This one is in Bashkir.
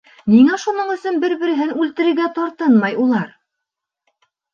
Ниңә шуның өсөн бер-береһен үлтерергә тартынмай улар?